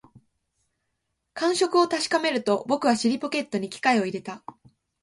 感触を確かめると、僕は尻ポケットに機械を入れた